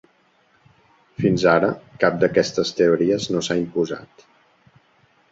Fins ara, cap d’aquestes teories no s’ha imposat.